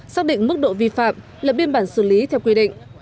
xác định mức độ vi phạm lập biên bản xử lý theo quy định